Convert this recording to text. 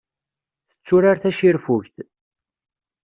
Tetturar tacirfugt.